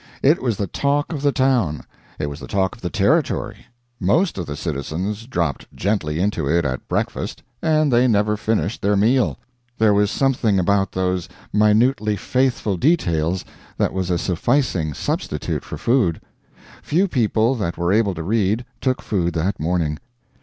It was the talk of the town, it was the talk of the territory. Most of the citizens dropped gently into it at breakfast, and they never finished their meal. There was something about those minutely faithful details that was a sufficing substitute for food. Few people that were able to read took food that morning.